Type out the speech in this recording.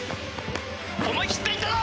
思い切っていったぞ！